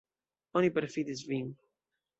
Oni perfidis vin.